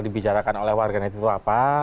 dibicarakan oleh warganet itu apa